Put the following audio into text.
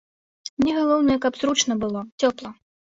Мне галоўнае, каб зручна было, цёпла.